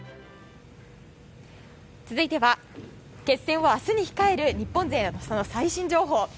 続いては決戦を明日に控える日本勢のその最新情報。